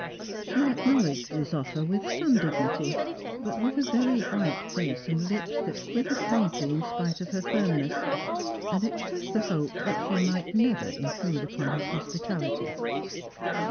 She acknowledged this offer with some dignity, but with a very white face and Hps that quivered faintly in spite of her firmness, and expressed the hope that she might never intrude upon hia hospitality.